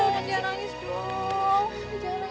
udah jangan nangis dong